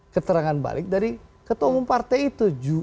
keterangan balik dari ketua umum partai itu